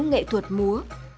nghệ thuật múa